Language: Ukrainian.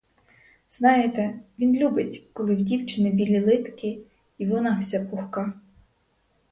Знаєте, він любить, коли в дівчини білі литки й вона вся пухка.